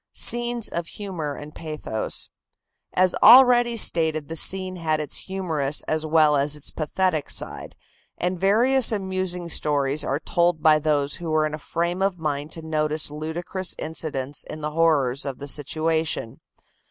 SCENES OF HUMOR AND PATHOS. As already stated, the scene had its humorous as well as its pathetic side, and various amusing stories are told by those who were in a frame of mind to notice ludicrous incidents in the horrors of the situation.